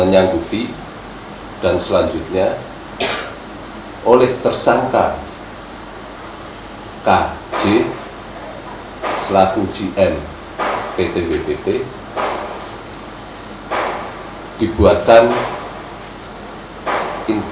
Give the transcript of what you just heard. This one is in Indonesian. jalan jalan men